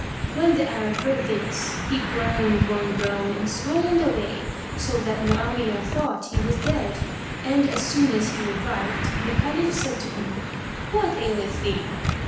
When the Arab heard this, he groaned one groan and swooned away, so that Mu'awiyah thought he was dead; and, as soon as he revived, the Caliph said to him, "What aileth thee?"